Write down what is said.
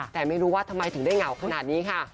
แต่ไม่รู้ว่าทำไมถึงได้เหงาขนาดนี้ค่ะ